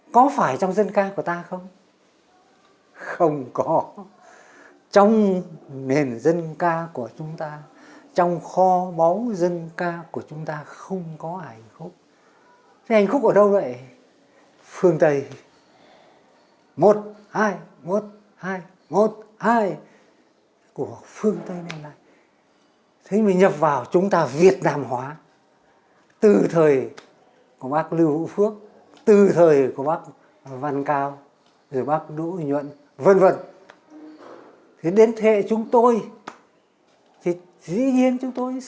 cộng cả cái dân ca của sứ nghệ với những cái phần hiện đại